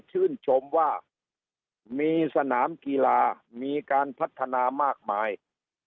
ชื่นชมว่ามีสนามกีลามีการพัรทนามากมายจากจังหวัด